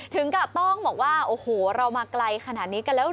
ถึงกับต้องบอกว่าโอ้โหเรามาไกลขนาดนี้กันแล้วเห